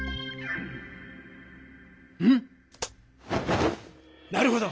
ん⁉なるほど！